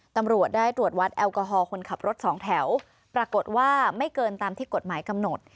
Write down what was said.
ตำรวจได้ตรวจวัดแอลกอฮอล์คนขับรถสองแถวปรากฏว่าไม่เกินตามที่กฎหมายกำหนด